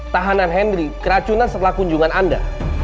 tahanan henry keracunan setelah kunjungan anda